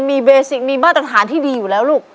มีเบสิกมีมาตรฐานที่ดีอยู่แล้วลูก